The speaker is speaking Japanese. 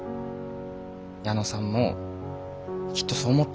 矢野さんもきっとそう思ってます。